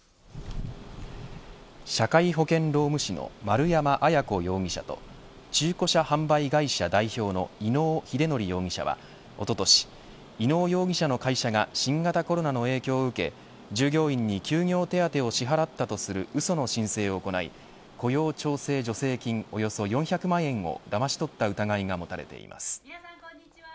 社会保険労務士の丸山文子容疑者と中古車販売会社代表の伊能英徳容疑者はおととし、伊能容疑者の会社が新型コロナの影響を受け従業員に休業手当を支払ったとするうその申請を行い雇用調整助成金およそ４００万円をだまし取った疑いが持たれています。